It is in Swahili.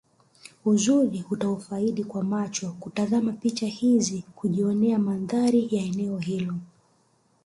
Uzuri utaufaidi kwa macho kutazama picha hizi kujionea mandhari ya eneo hilo